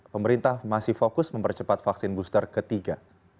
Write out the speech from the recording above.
pemerintah masih fokus mempercepat vaksin booster ketiga